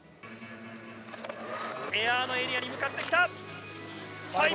エアのエリアに向かってきた。